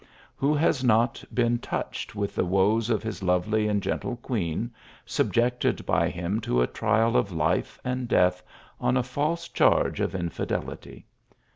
Who has not been touched with the woes of his lovely and gentle queen, subjected by him to a trial of life and death, on a false charge of infidelity